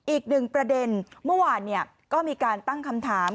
อีกหนึ่งประเด็นเมื่อวานก็มีการตั้งคำถาม